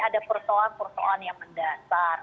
ada persoalan persoalan yang mendasar